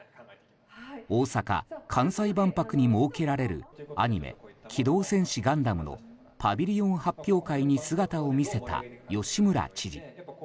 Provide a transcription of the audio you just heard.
大阪・関西万博に設けられるアニメ「機動戦士ガンダム」のパビリオン発表会に姿を見せた吉村知事。